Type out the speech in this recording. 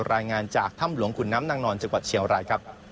รายงานจากถ้ำหลวงขุนน้ำนางนอนจังหวัดเชียงรายครับ